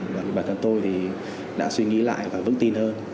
bản thân tôi thì đã suy nghĩ lại và vững tin hơn